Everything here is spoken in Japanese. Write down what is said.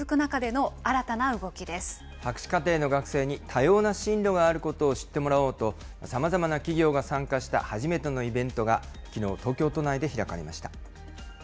傾博士課程の学生に多様な進路があることを知ってもらおうと、さまざまな企業が参加した初めてのイベントがきのう、東京都内で開かれました。